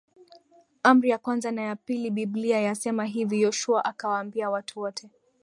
Amri ya kwanza na ya Pili Biblia yasema hivi Yoshua akawaambia watu wote